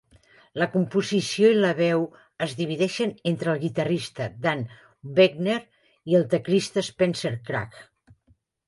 La composició i la veu es divideixen entre el guitarrista Dan Boeckner i el teclista Spencer Krug.